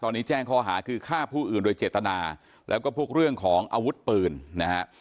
ตอนนี้แจ้งข้อหาคือฆ่าผู้อื่นโดยเจตนาแล้วก็พวกเรื่องของอาวุธปืนนะฮะ